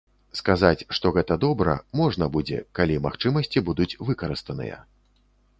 Сказаць, што гэта добра, можна будзе, калі магчымасці будуць выкарыстаныя.